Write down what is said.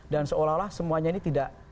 dan seolah olah semuanya ini tidak